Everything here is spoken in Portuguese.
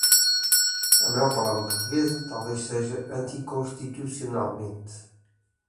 A maior palavra portuguesa talvez seja "anticonstitucionalmente".